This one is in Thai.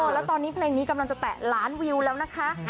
แล้วตอนนี้เพลงนี้กำลังจะแตะล้านวิวแล้วนะคะ